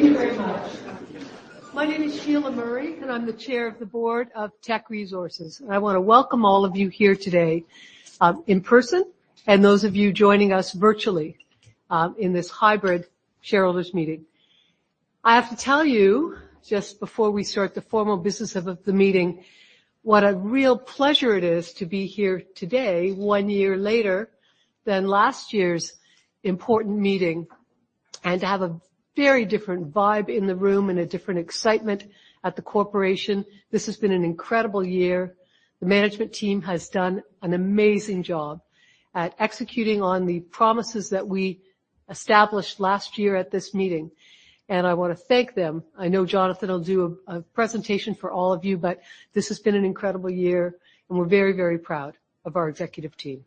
Thank you very much. My name is Sheila Murray, and I'm the chair of the board of Teck Resources. I want to welcome all of you here today, in person and those of you joining us virtually, in this hybrid shareholders meeting. I have to tell you, just before we start the formal business of the meeting, what a real pleasure it is to be here today, one year later than last year's important meeting, and to have a very different vibe in the room and a different excitement at the corporation. This has been an incredible year. The management team has done an amazing job at executing on the promises that we established last year at this meeting, and I want to thank them. I know Jonathan will do a presentation for all of you, but this has been an incredible year, and we're very, very proud of our executive team.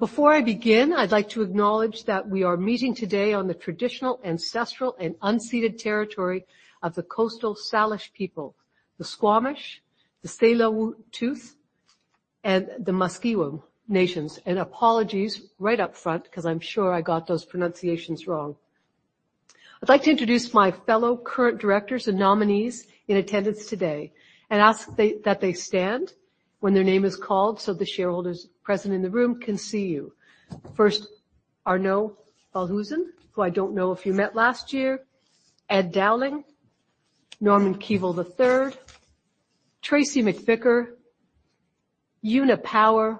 Before I begin, I'd like to acknowledge that we are meeting today on the traditional, ancestral, and unceded territory of the Coastal Salish people, the Squamish, the Tsleil-Waututh, and the Musqueam Nations. And apologies right up front, 'cause I'm sure I got those pronunciations wrong. I'd like to introduce my fellow current directors and nominees in attendance today and ask that they stand when their name is called, so the shareholders present in the room can see you. First, Arnoud Balhuizen, who I don't know if you met last year, Ed Dowling, Norman B. Keevil III, Tracey McVicar, Una Power,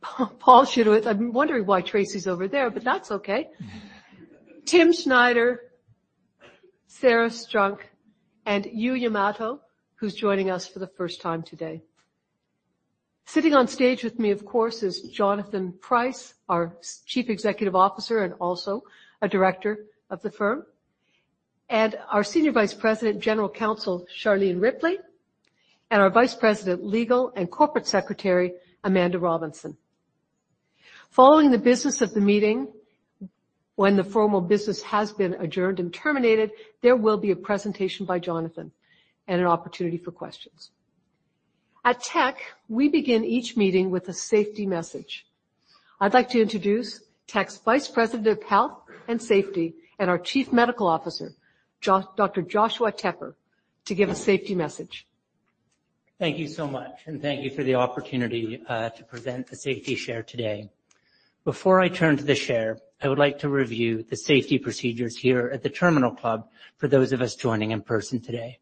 Paul Schiodtz. I'm wondering why Tracey's over there, but that's okay. Tim Snider, Sarah Strunk, and Yu Yamato, who's joining us for the first time today. Sitting on stage with me, of course, is Jonathan Price, our Chief Executive Officer and also a director of the firm, and our Senior Vice President, General Counsel, Charlene Ripley, and our Vice President, Legal and Corporate Secretary, Amanda Robinson. Following the business of the meeting, when the formal business has been adjourned and terminated, there will be a presentation by Jonathan and an opportunity for questions. At Teck, we begin each meeting with a safety message. I'd like to introduce Teck's Vice President of Health and Safety and our Chief Medical Officer, Dr. Joshua Tepper, to give a safety message. Thank you so much, and thank you for the opportunity to present the safety share today. Before I turn to the share, I would like to review the safety procedures here at the Terminal City Club for those of us joining in person today.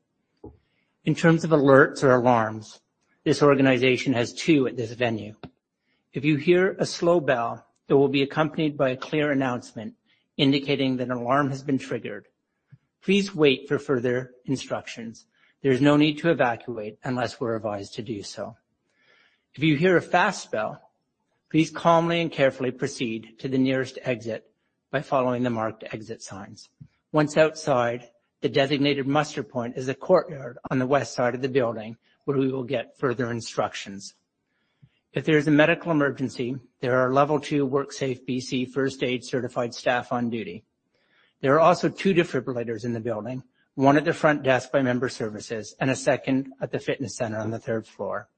In terms of alerts or alarms, this organization has two at this venue. If you hear a slow bell, it will be accompanied by a clear announcement indicating that an alarm has been triggered. Please wait for further instructions. There's no need to evacuate unless we're advised to do so. If you hear a fast bell, please calmly and carefully proceed to the nearest exit by following the marked exit signs. Once outside, the designated muster point is a courtyard on the west side of the building, where we will get further instructions. If there is a medical emergency, there are level two WorkSafeBC first aid certified staff on duty. There are also two defibrillators in the building, one at the front desk by Member Services and a second at the fitness center on the third floor.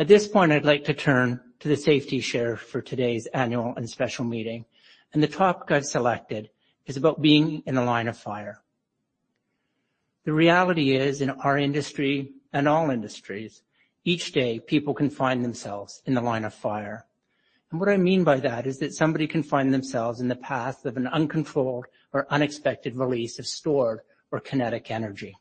At this point, I'd like to turn to the safety share for today's annual and special meeting, and the topic I've selected is about being in the line of fire. The reality is, in our industry and all industries, each day, people can find themselves in the line of fire. And what I mean by that is that somebody can find themselves in the path of an uncontrolled or unexpected release of stored or kinetic energy.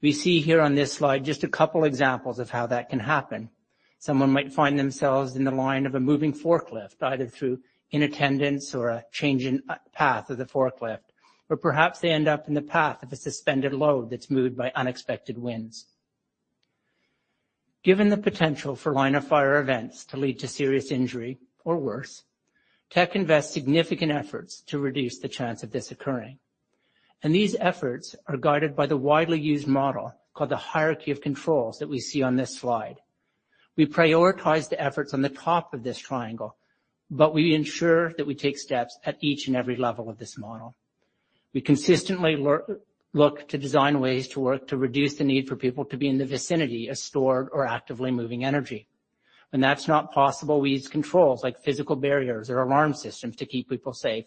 We see here on this slide just a couple examples of how that can happen. Someone might find themselves in the line of a moving forklift, either through inattention or a change in path of the forklift. Or perhaps they end up in the path of a suspended load that's moved by unexpected winds. Given the potential for line-of-fire events to lead to serious injury or worse, Teck invests significant efforts to reduce the chance of this occurring, and these efforts are guided by the widely used model called the Hierarchy of Controls that we see on this slide. We prioritize the efforts on the top of this triangle, but we ensure that we take steps at each and every level of this model. We consistently look to design ways to work, to reduce the need for people to be in the vicinity of stored or actively moving energy. When that's not possible, we use controls like physical barriers or alarm systems to keep people safe,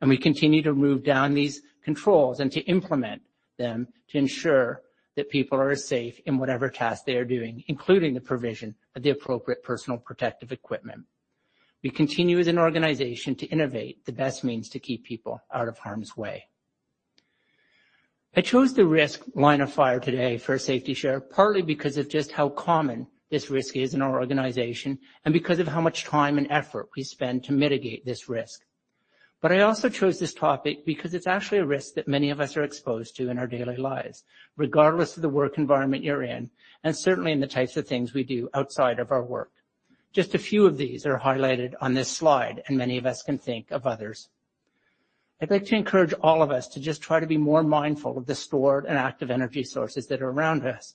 and we continue to move down these controls and to implement them to ensure that people are safe in whatever task they are doing, including the provision of the appropriate personal protective equipment. We continue as an organization to innovate the best means to keep people out of harm's way. I chose the risk line of fire today for a safety share, partly because of just how common this risk is in our organization and because of how much time and effort we spend to mitigate this risk. But I also chose this topic because it's actually a risk that many of us are exposed to in our daily lives, regardless of the work environment you're in, and certainly in the types of things we do outside of our work. Just a few of these are highlighted on this slide, and many of us can think of others. I'd like to encourage all of us to just try to be more mindful of the stored and active energy sources that are around us,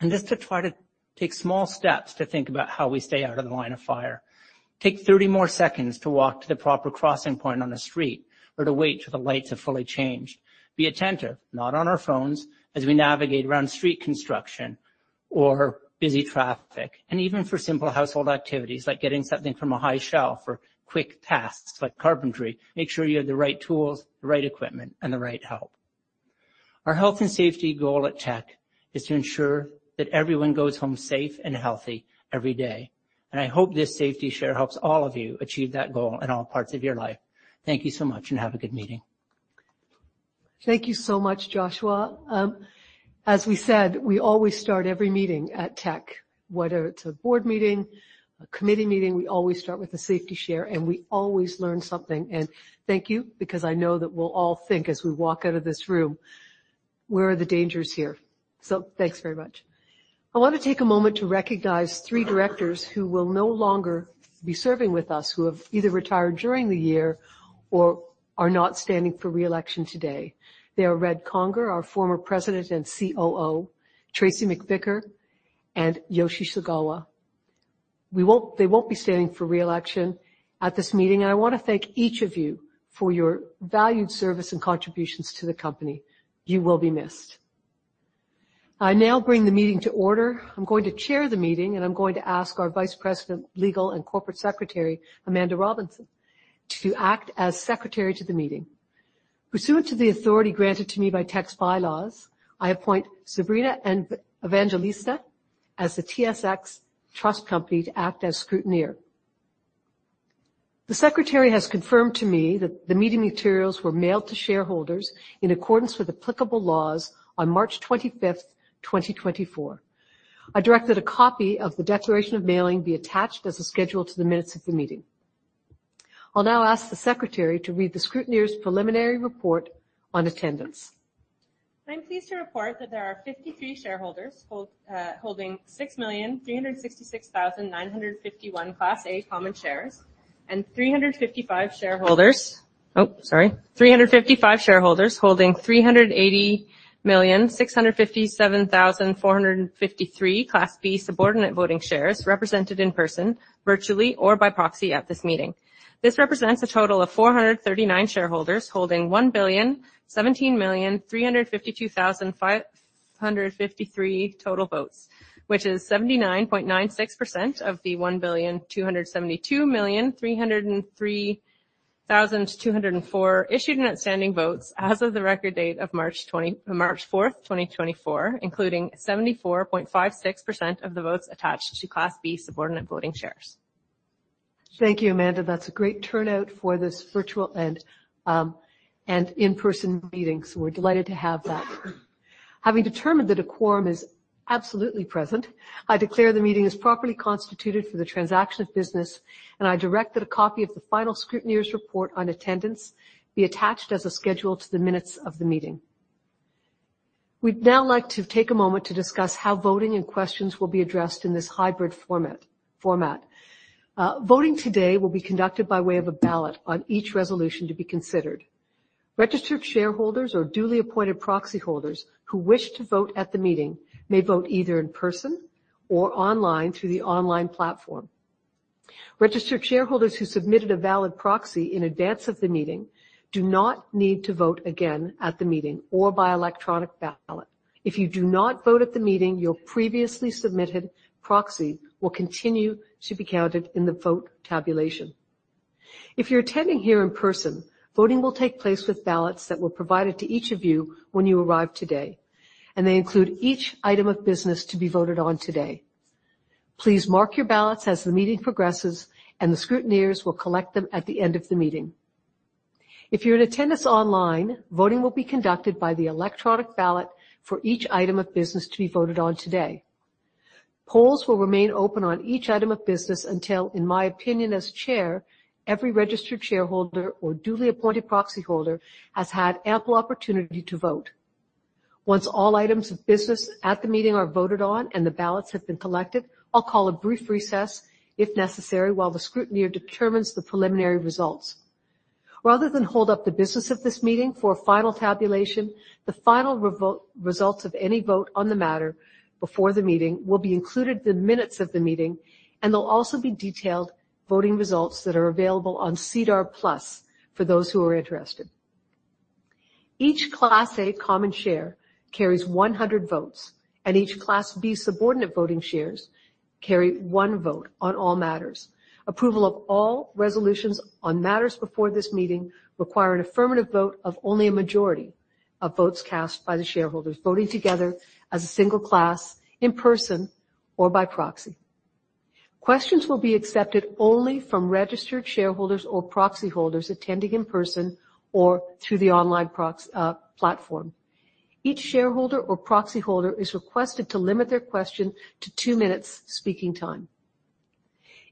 and just to try to take small steps to think about how we stay out of the line of fire. Take 30 more seconds to walk to the proper crossing point on the street or to wait till the lights have fully changed. Be attentive, not on our phones, as we navigate around street construction. Or busy traffic, and even for simple household activities like getting something from a high shelf or quick tasks like carpentry, make sure you have the right tools, the right equipment, and the right help. Our health and safety goal at Teck is to ensure that everyone goes home safe and healthy every day, and I hope this safety share helps all of you achieve that goal in all parts of your life. Thank you so much, and have a good meeting. Thank you so much, Joshua. As we said, we always start every meeting at Teck, whether it's a board meeting, a committee meeting, we always start with a safety share, and we always learn something. And thank you, because I know that we'll all think as we walk out of this room, where are the dangers here? So thanks very much. I want to take a moment to recognize three directors who will no longer be serving with us, who have either retired during the year or are not standing for re-election today. They are Red Conger, our former President and COO, Tracey McVicar, and Yoshi Sagawa. They won't be standing for re-election at this meeting, and I want to thank each of you for your valued service and contributions to the company. You will be missed. I now bring the meeting to order. I'm going to chair the meeting, and I'm going to ask our Vice President, Legal and Corporate Secretary, Amanda Robinson, to act as secretary to the meeting. Pursuant to the authority granted to me by Teck's bylaws, I appoint Sabrina Evangelista as the TSX Trust Company to act as scrutineer. The secretary has confirmed to me that the meeting materials were mailed to shareholders in accordance with applicable laws on March 25th, 2024. I directed a copy of the declaration of mailing be attached as a schedule to the minutes of the meeting. I'll now ask the secretary to read the scrutineer's preliminary report on attendance. I'm pleased to report that there are 53 shareholders hold holding 6,366,951 Class A common shares, and 355 shareholders. Oh, sorry, 355 shareholders holding 380,657,453 Class B subordinate voting shares represented in person, virtually, or by proxy at this meeting. This represents a total of 439 shareholders holding 1,017,352,553 total votes, which is 79.96% of the 1,272,303,204 issued and outstanding votes as of the record date of March 4, 2024, including 74.56% of the votes attached to Class B subordinate voting shares. Thank you, Amanda. That's a great turnout for this virtual and in-person meeting, so we're delighted to have that. Having determined that a quorum is absolutely present, I declare the meeting is properly constituted for the transaction of business, and I direct that a copy of the final scrutineer's report on attendance be attached as a schedule to the minutes of the meeting. We'd now like to take a moment to discuss how voting and questions will be addressed in this hybrid format. Voting today will be conducted by way of a ballot on each resolution to be considered. Registered shareholders or duly appointed proxyholders who wish to vote at the meeting may vote either in person or online through the online platform. Registered shareholders who submitted a valid proxy in advance of the meeting do not need to vote again at the meeting or by electronic ballot. If you do not vote at the meeting, your previously submitted proxy will continue to be counted in the vote tabulation. If you're attending here in person, voting will take place with ballots that were provided to each of you when you arrived today, and they include each item of business to be voted on today. Please mark your ballots as the meeting progresses, and the scrutineers will collect them at the end of the meeting. If you're in attendance online, voting will be conducted by the electronic ballot for each item of business to be voted on today. Polls will remain open on each item of business until, in my opinion, as chair, every registered shareholder or duly appointed proxyholder has had ample opportunity to vote. Once all items of business at the meeting are voted on and the ballots have been collected, I'll call a brief recess, if necessary, while the scrutineer determines the preliminary results. Rather than hold up the business of this meeting for a final tabulation, the final results of any vote on the matter before the meeting will be included in the minutes of the meeting, and they'll also be detailed voting results that are available on SEDAR+ for those who are interested. Each Class A common share carries 100 votes, and each Class B subordinate voting shares carry one vote on all matters. Approval of all resolutions on matters before this meeting require an affirmative vote of only a majority of votes cast by the shareholders, voting together as a single class, in person or by proxy. Questions will be accepted only from registered shareholders or proxyholders attending in person or through the online proxy platform. Each shareholder or proxyholder is requested to limit their question to two minutes speaking time.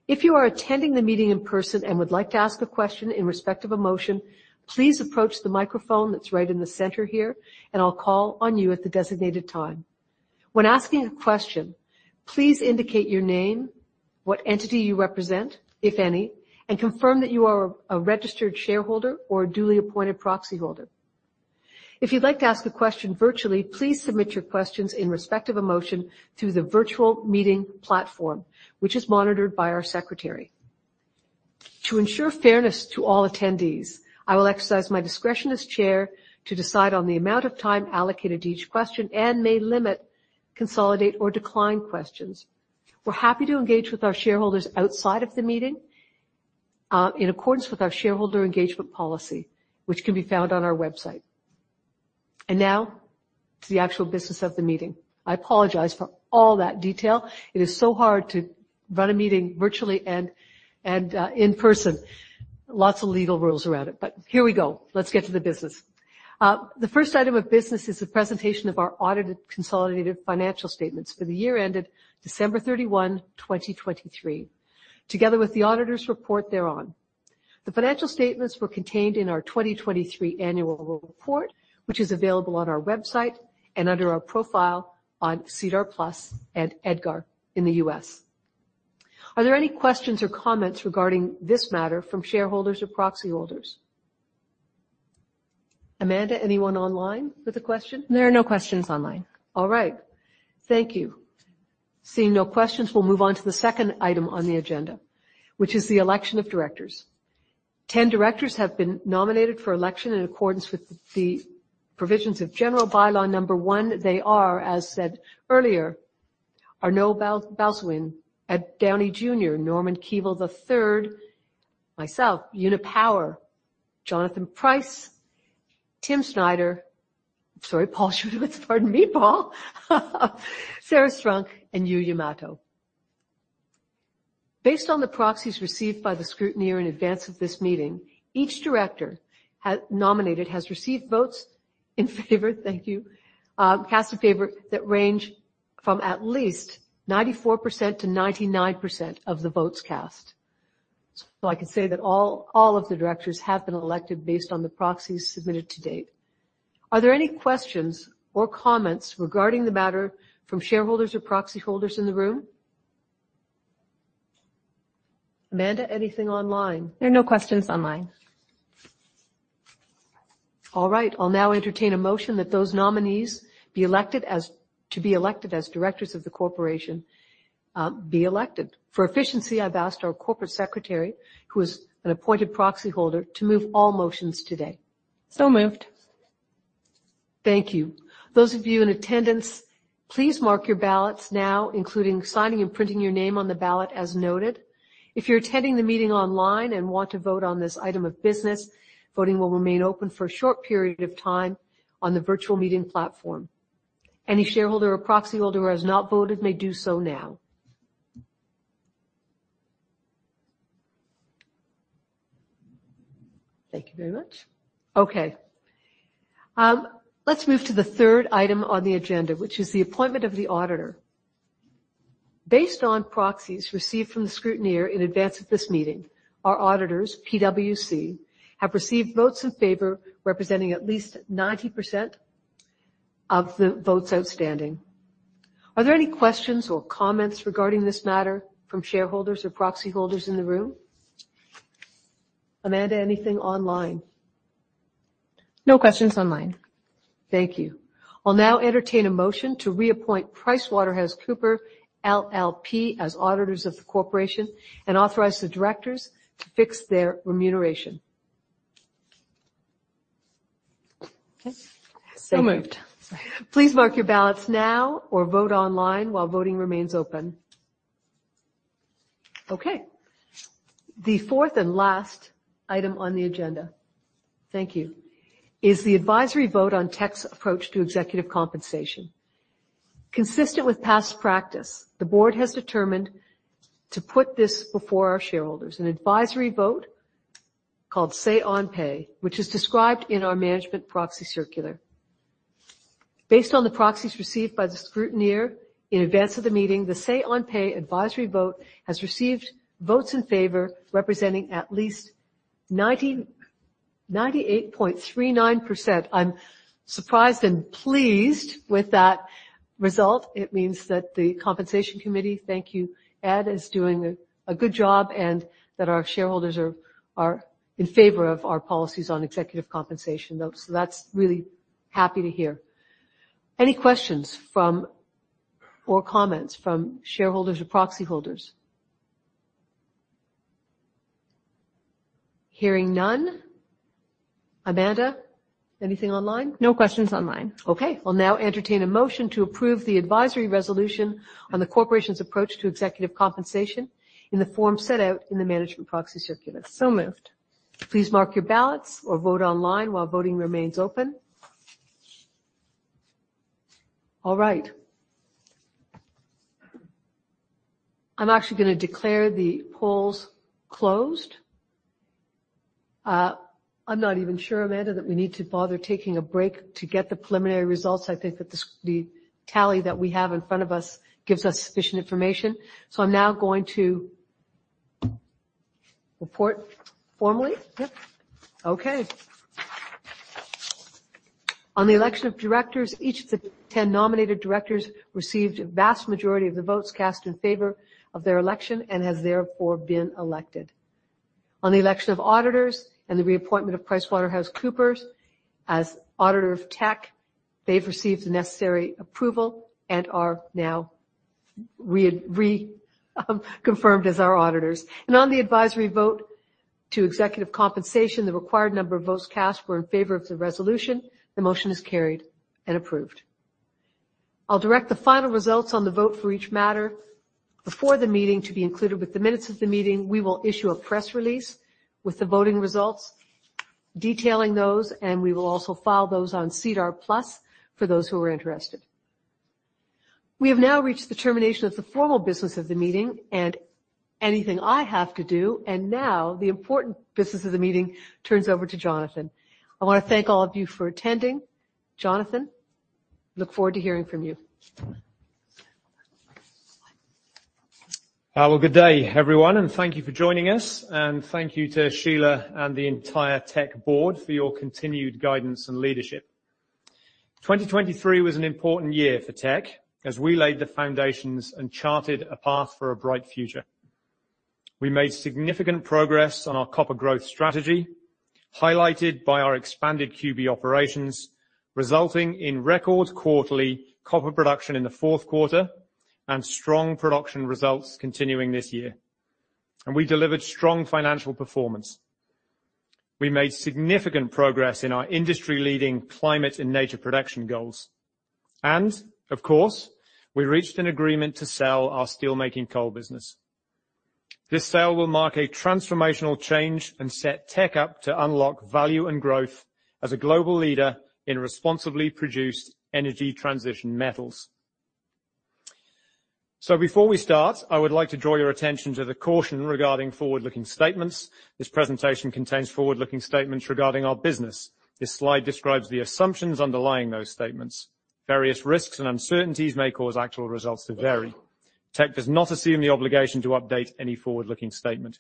If you are attending the meeting in person and would like to ask a question in respect of a motion, please approach the microphone that's right in the center here, and I'll call on you at the designated time. When asking a question, please indicate your name, what entity you represent, if any, and confirm that you are a registered shareholder or a duly appointed proxyholder. If you'd like to ask a question virtually, please submit your questions in the respective section through the virtual meeting platform, which is monitored by our secretary. To ensure fairness to all attendees, I will exercise my discretion as chair to decide on the amount of time allocated to each question and may limit, consolidate, or decline questions. We're happy to engage with our shareholders outside of the meeting in accordance with our shareholder engagement policy, which can be found on our website. And now to the actual business of the meeting. I apologize for all that detail. It is so hard to run a meeting virtually and in person. Lots of legal rules around it, but here we go. Let's get to the business. The first item of business is a presentation of our audited consolidated financial statements for the year ended December 31, 2023, together with the auditors' report thereon. The financial statements were contained in our 2023 annual report, which is available on our website and under our profile on SEDAR+ and EDGAR in the U.S. Are there any questions or comments regarding this matter from shareholders or proxy holders? Amanda, anyone online with a question? There are no questions online. All right. Thank you. Seeing no questions, we'll move on to the second item on the agenda, which is the election of directors. 10 directors have been nominated for election in accordance with the provisions of General Bylaw Number One. They are, as said earlier, Arnoud Balhuizen, Edward Dowling, Norman B. Keevil III, myself, Una Power, Jonathan Price, Timothy Snider. Sorry, Paul Schiodtz. Pardon me, Paul. Sarah Strunk, and Yu Yamato. Based on the proxies received by the scrutineer in advance of this meeting, each director has received votes in favor, thank you, cast in favor that range from at least 94% to 99% of the votes cast. So I can say that all, all of the directors have been elected based on the proxies submitted to date. Are there any questions or comments regarding the matter from shareholders or proxy holders in the room? Amanda, anything online? There are no questions online. All right. I'll now entertain a motion that those nominees be elected as-- to be elected as directors of the corporation, be elected. For efficiency, I've asked our corporate secretary, who is an appointed proxy holder, to move all motions today. So moved. Thank you. Those of you in attendance, please mark your ballots now, including signing and printing your name on the ballot as noted. If you're attending the meeting online and want to vote on this item of business, voting will remain open for a short period of time on the virtual meeting platform. Any shareholder or proxy holder who has not voted may do so now. Thank you very much. Okay, let's move to the third item on the agenda, which is the appointment of the auditor. Based on proxies received from the scrutineer in advance of this meeting, our auditors, PwC, have received votes in favor, representing at least 90% of the votes outstanding. Are there any questions or comments regarding this matter from shareholders or proxy holders in the room? Amanda, anything online? No questions online. Thank you. I'll now entertain a motion to reappoint PricewaterhouseCoopers LLP as auditors of the Corporation and authorize the directors to fix their remuneration. Okay. So moved. Please mark your ballots now or vote online while voting remains open. Okay, the fourth and last item on the agenda, thank you, is the advisory vote on Teck's approach to executive compensation. Consistent with past practice, the Board has determined to put this before our shareholders, an advisory vote called Say-on-Pay, which is described in our management proxy circular. Based on the proxies received by the scrutineer in advance of the meeting, the Say-on-Pay advisory vote has received votes in favor, representing at least 99.839%. I'm surprised and pleased with that result. It means that the compensation committee, thank you, Ed, is doing a good job and that our shareholders are in favor of our policies on executive compensation, though, so that's really happy to hear. Any questions from or comments from shareholders or proxy holders? Hearing none. Amanda, anything online? No questions online. Okay, I'll now entertain a motion to approve the advisory resolution on the corporation's approach to executive compensation in the form set out in the management proxy circular. So moved. Please mark your ballots or vote online while voting remains open. All right. I'm actually gonna declare the polls closed. I'm not even sure, Amanda, that we need to bother taking a break to get the preliminary results. I think that the tally that we have in front of us gives us sufficient information. So I'm now going to report formally. Yep. Okay. On the election of directors, each of the 10 nominated directors received a vast majority of the votes cast in favor of their election and has therefore been elected. On the election of auditors and the reappointment of PricewaterhouseCoopers as auditor of Teck, they've received the necessary approval and are now confirmed as our auditors. On the advisory vote to executive compensation, the required number of votes cast were in favor of the resolution. The motion is carried and approved. I'll direct the final results on the vote for each matter before the meeting to be included with the minutes of the meeting. We will issue a press release with the voting results, detailing those, and we will also file those on SEDAR+, for those who are interested. We have now reached the termination of the formal business of the meeting, and anything I have to do, and now the important business of the meeting turns over to Jonathan. I wanna thank all of you for attending. Jonathan, look forward to hearing from you. Well, good day, everyone, and thank you for joining us. Thank you to Sheila and the entire Teck board for your continued guidance and leadership. 2023 was an important year for Teck, as we laid the foundations and charted a path for a bright future. We made significant progress on our copper growth strategy, highlighted by our expanded QB operations, resulting in record quarterly copper production in the fourth quarter, and strong production results continuing this year. We delivered strong financial performance. We made significant progress in our industry-leading climate and nature protection goals. Of course, we reached an agreement to sell our steelmaking coal business. This sale will mark a transformational change and set Teck up to unlock value and growth as a global leader in responsibly produced energy transition metals. So before we start, I would like to draw your attention to the caution regarding forward-looking statements. This presentation contains forward-looking statements regarding our business. This slide describes the assumptions underlying those statements. Various risks and uncertainties may cause actual results to vary. Teck does not assume the obligation to update any forward-looking statement.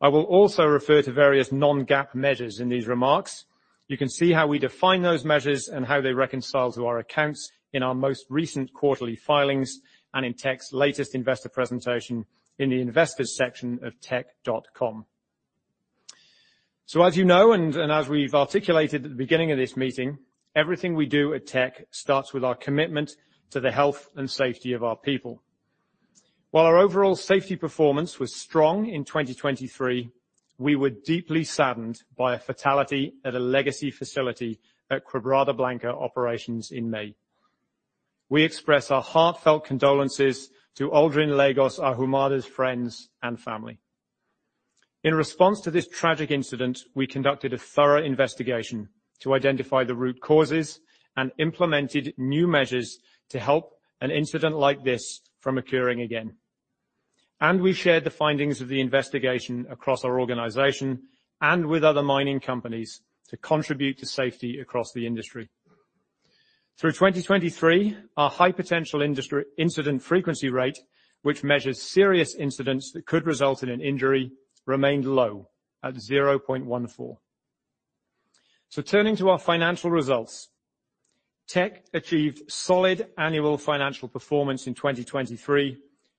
I will also refer to various non-GAAP measures in these remarks. You can see how we define those measures and how they reconcile to our accounts in our most recent quarterly filings and in Teck's latest investor presentation in the Investors section of teck.com. So as you know, and as we've articulated at the beginning of this meeting, everything we do at Teck starts with our commitment to the health and safety of our people. While our overall safety performance was strong in 2023, we were deeply saddened by a fatality at a legacy facility at Quebrada Blanca operations in May. We express our heartfelt condolences to Aldrin Lagos Ahumada's friends and family. In response to this tragic incident, we conducted a thorough investigation to identify the root causes and implemented new measures to help an incident like this from occurring again. And we shared the findings of the investigation across our organization and with other mining companies to contribute to safety across the industry. Through 2023, our high potential incident frequency rate, which measures serious incidents that could result in an injury, remained low at 0.14. So turning to our financial results, Teck achieved solid annual financial performance in 2023,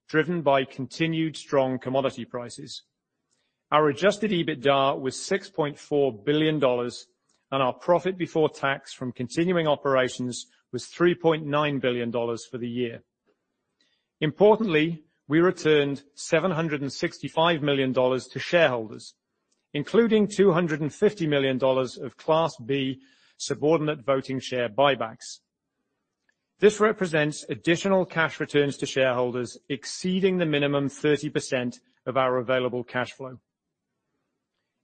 driven by continued strong commodity prices. Our Adjusted EBITDA was $6.4 billion, and our profit before tax from continuing operations was $3.9 billion for the year. Importantly, we returned $765 million to shareholders, including $250 million of Class B subordinate voting shares buybacks. This represents additional cash returns to shareholders exceeding the minimum 30% of our available cash flow.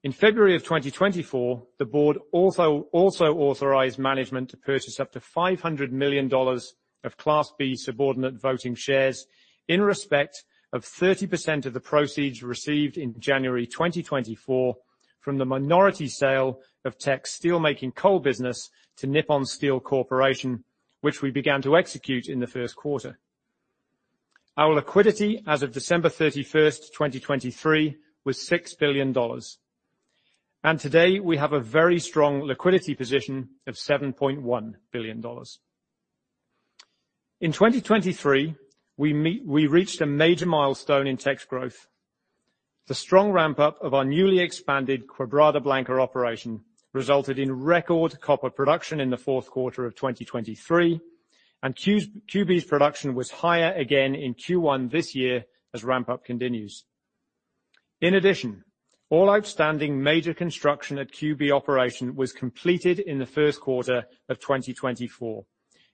In February 2024, the board also authorized management to purchase up to $500 million of Class B subordinate voting shares in respect of 30% of the proceeds received in January 2024 from the minority sale of Teck's steelmaking coal business to Nippon Steel Corporation, which we began to execute in the first quarter. Our liquidity as of December 31st, 2023, was $6 billion. Today, we have a very strong liquidity position of $7.1 billion. In 2023, we reached a major milestone in Teck's growth. The strong ramp-up of our newly expanded Quebrada Blanca operation resulted in record copper production in the fourth quarter of 2023, and QB's production was higher again in Q1 this year as ramp-up continues. In addition, all outstanding major construction at QB operation was completed in the first quarter of 2024,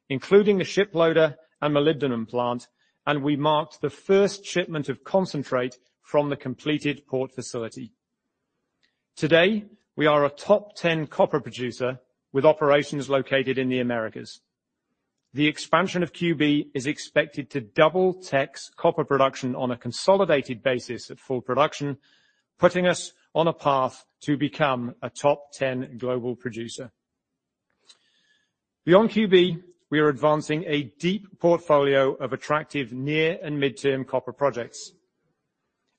including the ship loader and molybdenum plant, and we marked the first shipment of concentrate from the completed port facility. Today, we are a top 10 copper producer with operations located in the Americas. The expansion of QB is expected to double Teck's copper production on a consolidated basis at full production, putting us on a path to become a top 10 global producer. Beyond QB, we are advancing a deep portfolio of attractive near- and midterm copper projects.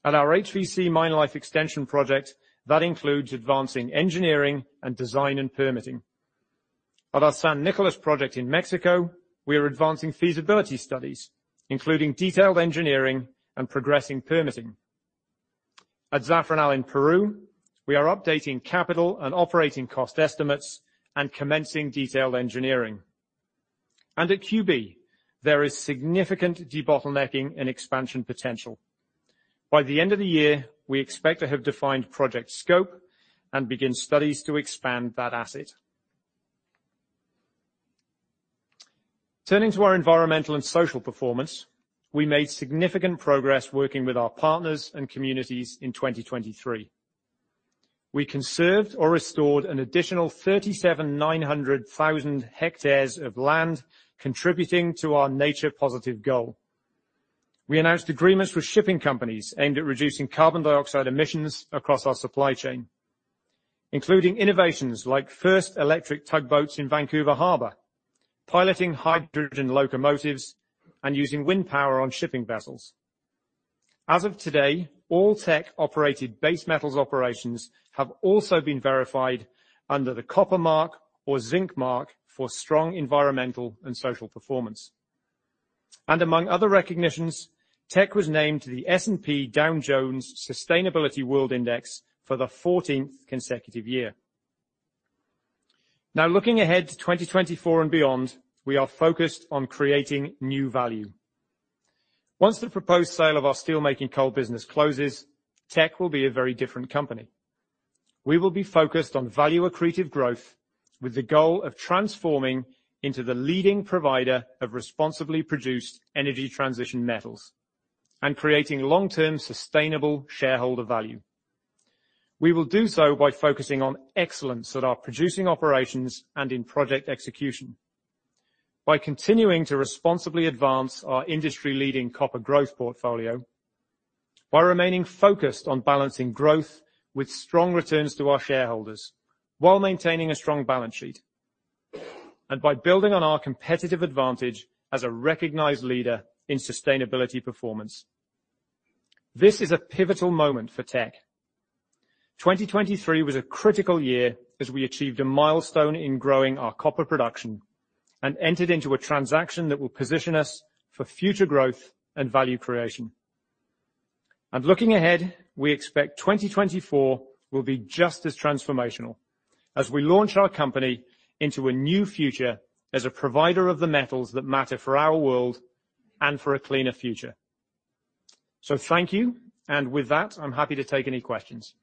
At our HVC mine life extension project, that includes advancing engineering and design and permitting. At our San Nicolás project in Mexico, we are advancing feasibility studies, including detailed engineering and progressing permitting. At Zafranal in Peru, we are updating capital and operating cost estimates and commencing detailed engineering. And at QB, there is significant debottlenecking and expansion potential. By the end of the year, we expect to have defined project scope and begin studies to expand that asset. Turning to our environmental and social performance, we made significant progress working with our partners and communities in 2023. We conserved or restored an additional 37,900,000 hectares of land, contributing to our Nature Positive goal. We announced agreements with shipping companies aimed at reducing carbon dioxide emissions across our supply chain, including innovations like first electric tugboats in Vancouver Harbor, piloting hydrogen locomotives, and using wind power on shipping vessels. As of today, all Teck-operated base metals operations have also been verified under the Copper Mark or Zinc Mark for strong environmental and social performance. Among other recognitions, Teck was named to the S&P Dow Jones Sustainability World Index for the fourteenth consecutive year. Now, looking ahead to 2024 and beyond, we are focused on creating new value. Once the proposed sale of our steelmaking coal business closes, Teck will be a very different company. We will be focused on value-accretive growth, with the goal of transforming into the leading provider of responsibly produced energy transition metals and creating long-term, sustainable shareholder value. We will do so by focusing on excellence at our producing operations and in project execution, by continuing to responsibly advance our industry-leading copper growth portfolio, by remaining focused on balancing growth with strong returns to our shareholders while maintaining a strong balance sheet, and by building on our competitive advantage as a recognized leader in sustainability performance. This is a pivotal moment for Teck. 2023 was a critical year, as we achieved a milestone in growing our copper production and entered into a transaction that will position us for future growth and value creation. And looking ahead, we expect 2024 will be just as transformational, as we launch our company into a new future as a provider of the metals that matter for our world and for a cleaner future. So thank you. And with that, I'm happy to take any questions.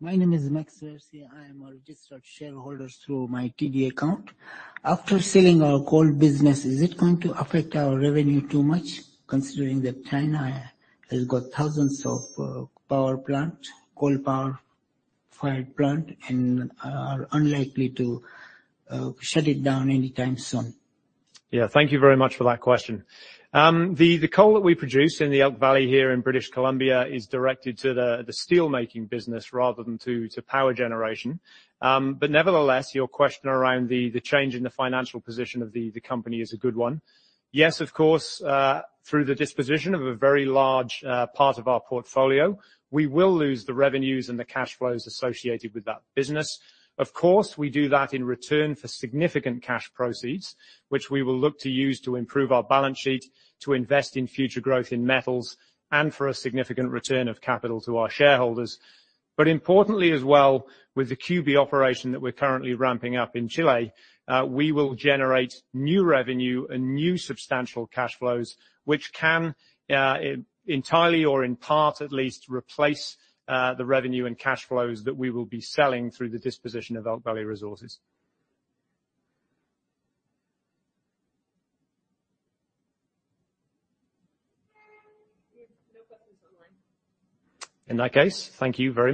My name is Max Mercy. I am a registered shareholder through my TD account. After selling our coal business, is it going to affect our revenue too much, considering that China has got thousands of coal-fired power plants and are unlikely to shut it down anytime soon? Yeah, thank you very much for that question. The coal that we produce in the Elk Valley here in British Columbia is directed to the steelmaking business rather than to power generation. But nevertheless, your question around the change in the financial position of the company is a good one. Yes, of course, through the disposition of a very large part of our portfolio, we will lose the revenues and the cash flows associated with that business. Of course, we do that in return for significant cash proceeds, which we will look to use to improve our balance sheet, to invest in future growth in metals, and for a significant return of capital to our shareholders. But importantly, as well, with the QB operation that we're currently ramping up in Chile, we will generate new revenue and new substantial cash flows, which can, entirely or in part at least, replace the revenue and cash flows that we will be selling through the disposition of Elk Valley Resources. We have no questions online. In that case, thank you very much.